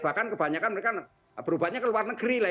bahkan kebanyakan mereka berubahnya ke luar negeri lah